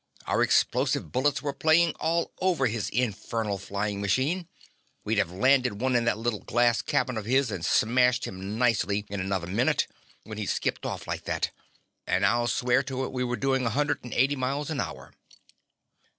"Our explosive bullets were playing all over his infernal flying machine. We'd have landed one in that little glass cabin of his and smashed him nicely in another minute, when he skipped off like that. And I'll swear to it we were doing a hundred and eighty miles an hour."